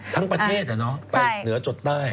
ทั้งประเทศอ่ะเนาะทางเหนือจดใต้